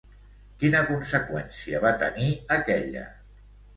Quina conseqüència va tenir aquella?